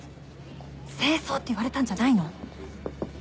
正装って言われたんじゃないの？